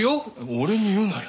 俺に言うなよ。